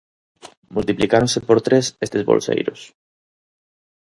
Multiplicáronse por tres estes bolseiros.